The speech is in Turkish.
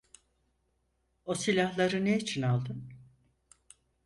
O silahları ne için aldın?